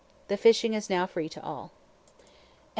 The fishing is now free to all. XIV.